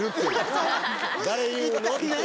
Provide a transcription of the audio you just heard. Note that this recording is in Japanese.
誰言うの？っていう。